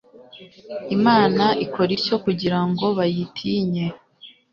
imana ikora ityo kugira ngo bayitinye